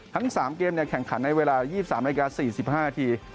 ทั้ง๓เกมแข่งขันในเวลา๒๓นาฬิกา๔๕นาที